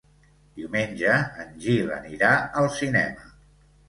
Diumenge en Gil anirà al cinema.